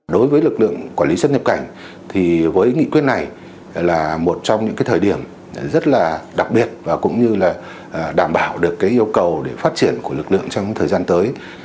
đối với lực lượng quản lý xuất nhập cảnh thì với nghị quyết này là một trong những thời điểm rất là đặc biệt và cũng như là đảm bảo được yêu cầu để phát triển của lực lượng trong thời gian tới